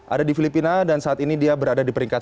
ada di filipina dan saat ini dia berada di peringkat satu